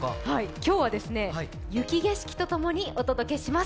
今日は雪景色とともにお届けします。